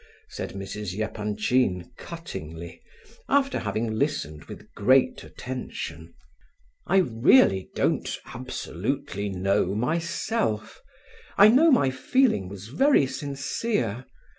said Mrs. Epanchin, cuttingly, after having listened with great attention. "I really don't absolutely know myself; I know my feeling was very sincere.